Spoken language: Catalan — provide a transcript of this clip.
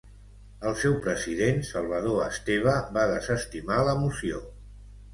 El seu president, Salvador Esteve, va desestimar la moció.